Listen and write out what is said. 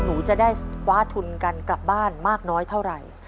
หนูจะได้คว้าทุนกันกลับบ้านมากน้อยเท่าไหร่